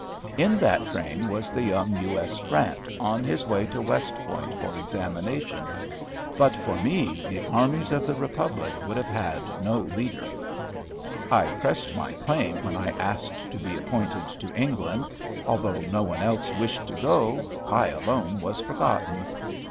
In that train was the young U. S. Grant, on his way to West Point for examination. But for me the armies of the Republic would have had no leader. I pressed my claim, when I asked to be appointed to England. Although no one else wished to go, I alone was forgotten.